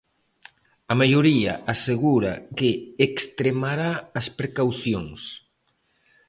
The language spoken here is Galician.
A maioría asegura que extremará as precaucións.